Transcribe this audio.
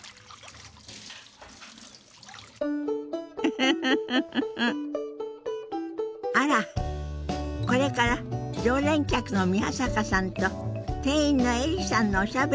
フフフフフあらこれから常連客の宮坂さんと店員のエリさんのおしゃべりが始まりそうね。